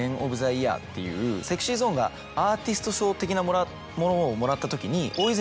ＳｅｘｙＺｏｎｅがアーティスト賞的なものをもらったときに。